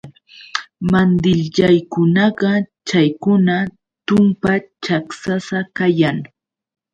Mandilllaykunaqa chaykuna tumpa chaksasa kayan.